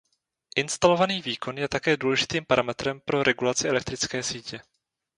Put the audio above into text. Instalovaný výkon je také důležitým parametrem pro regulaci elektrické sítě.